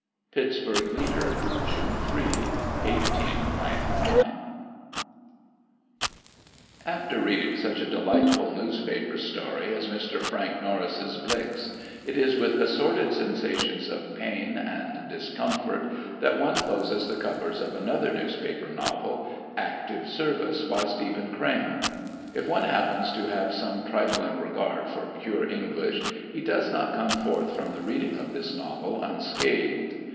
Pittsburg Leader, June 3, 1899 After reading such a delightful newspaper story as Mr. Frank Norris' "Blix," it is with assorted sensations of pain and discomfort that one closes the covers of another newspaper novel, "Active Service," by Stephen Crane. If one happens to have some trifling regard for pure English, he does not come forth from the reading of this novel unscathed.